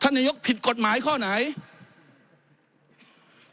ท่านนายกคือทำร้ายระบอบประชาธิปไตยที่มีพระมหาคศัตริย์